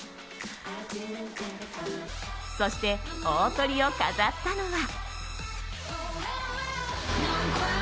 そして大トリを飾ったのは。